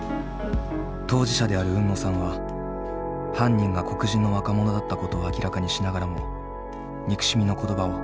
当事者である海野さんは犯人が黒人の若者だったことを明らかにしながらも憎しみの言葉を口にすることはなかった。